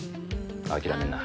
諦めんな